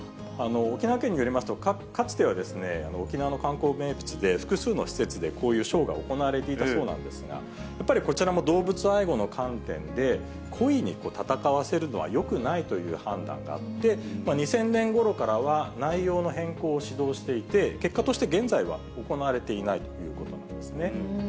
沖縄県によりますと、かつては沖縄の観光名物で、複数の施設でこういうショーが行われていたそうなんですが、やっぱりこちらも動物愛護の観点で、故意に戦わせるのはよくないという判断があって、２０００年ごろからは内容の変更を指導していて、結果として現在は行われていないということなんですね。